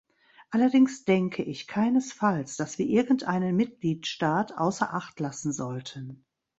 Allerdings denke ich keinesfalls, dass wir irgendeinen Mitgliedstaat außer Acht lassen sollten.